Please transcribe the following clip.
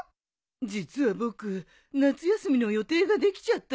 実は僕夏休みの予定ができちゃったんだ。